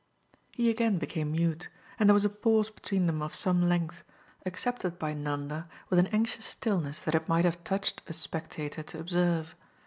He again became mute, and there was a pause between them of some length, accepted by Nanda with an anxious stillness that it might have touched a spectator to observe.